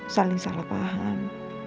saling salah paham